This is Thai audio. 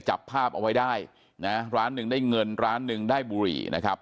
จับภาพเอาไว้ได้นะร้านหนึ่งได้เงินร้านหนึ่งได้บุหรี่นะครับ